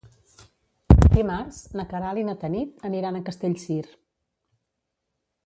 Dimarts na Queralt i na Tanit aniran a Castellcir.